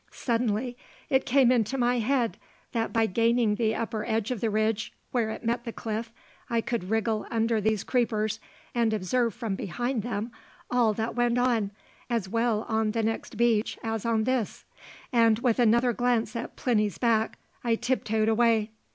Suddenly it came into my head that by gaining the upper end of the ridge, where it met the cliff, I could wriggle under these creepers, and observe from behind them all that went on, as well on the next beach as on this. And with another glance at Plinny's back I tiptoed away.